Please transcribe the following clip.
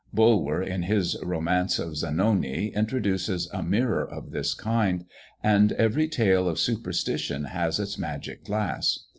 Bulwer, in his romance of Zanoni, introduces a mirror of this kind; and every tale of superstition has its magic glass.